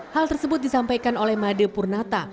hal tersebut disampaikan oleh made purnata